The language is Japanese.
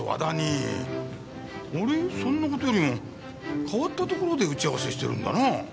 そんな事よりも変わったところで打ち合わせしてるんだなあ。